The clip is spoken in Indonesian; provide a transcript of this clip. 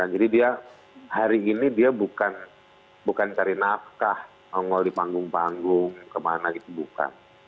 jadi dia hari ini dia bukan cari nafkah mengol di panggung panggung kemana gitu bukan